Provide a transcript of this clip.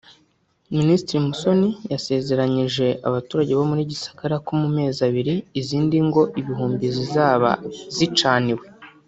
Minisitiri Musoni yasezeranyije abaturage bo muri Gisagara ko mu mezi abiri izindi ngo ibihumbi zizaba zicaniwe